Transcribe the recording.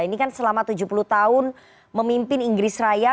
ini kan selama tujuh puluh tahun memimpin inggris raya